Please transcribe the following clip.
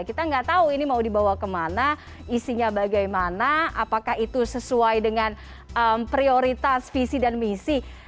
kita nggak tahu ini mau dibawa kemana isinya bagaimana apakah itu sesuai dengan prioritas visi dan misi